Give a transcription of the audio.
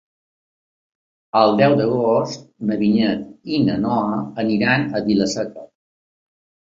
El deu d'agost na Vinyet i na Noa aniran a Vila-seca.